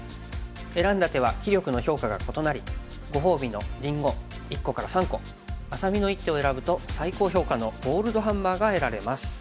選んだ手は棋力の評価が異なりご褒美のりんご１個から３個愛咲美の一手を選ぶと最高評価のゴールドハンマーが得られます。